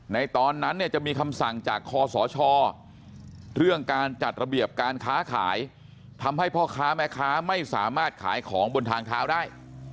ตอนนั้นเนี่ยจะมีคำสั่งจากคอสชเรื่องการจัดระเบียบการค้าขายทำให้พ่อค้าแม่ค้าไม่สามารถขายของบนทางเท้าได้